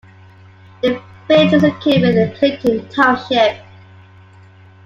The village is located within Clinton Township.